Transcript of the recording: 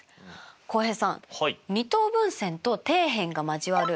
浩平さん二等分線と底辺が交わる